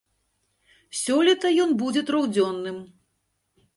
Сёлета ён будзе трохдзённым.